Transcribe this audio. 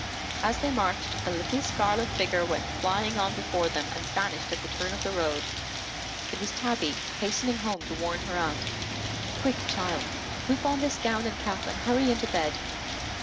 As they marched, a little scarlet figure went flying on before them, and vanished at the turn of the road. It was Tabby hastening home to warn her aunt. "Quick child, whip on this gown and cap and hurry into bed.